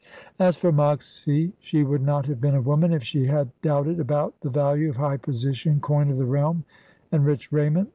As for Moxy, she would not have been a woman if she had doubted about the value of high position, coin of the realm, and rich raiment.